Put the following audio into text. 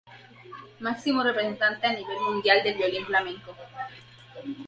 Máximo representante a nivel mundial del violín flamenco.